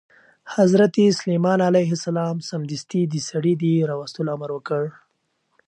حضرت سلیمان علیه السلام سمدستي د سړي د راوستلو امر وکړ.